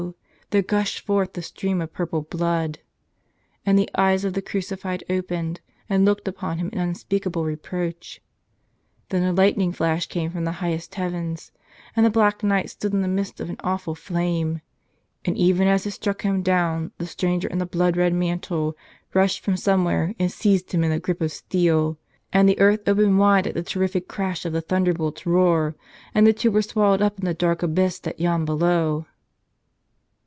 there gushed forth a stream of purple blood. And the eyes of the Crucified opened and looked upon him in unspeakable reproach. Then a lightning flash came from the highest heavens — and the Black Knight stood in the midst of an awful flame — and even as it struck him down the stranger in the blood red mantle rushed from somewhere and seized him in a grip of steel — and the earth opened wide at the terrific crash of the thunderbolt's roar — and the two were swallowed up in the dark abyss thaj yawned below